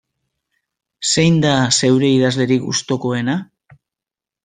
Zein da zeure idazlerik gustukoena?